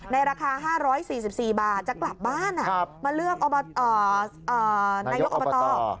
ราคา๕๔๔บาทจะกลับบ้านมาเลือกนายกอบต